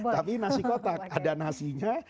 tapi nasi kotak ada nasinya